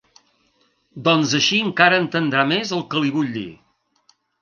Doncs així encara entendrà més el que li vull dir.